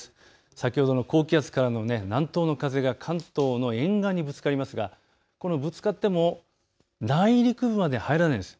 先ほどの高気圧からの南東の風が関東の沿岸にぶつかりますがぶつかっても内陸部まで入らないんです。